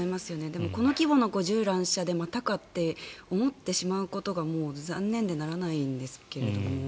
でも、この規模の銃乱射でもまたかって思ってしまうことがもう残念でならないんですが。